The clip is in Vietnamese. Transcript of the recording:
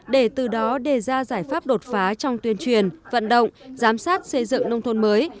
để từ đó đề ra giải pháp đột phá trong tuyên truyền vận động giám sát xây dựng nông thôn mới